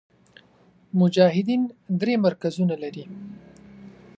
مجاهدین درې مرکزونه لري.